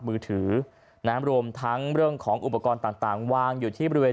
มือถือนะฮะรวมทั้งเรื่องของอุปกรณ์ต่างวางอยู่ที่บริเวณ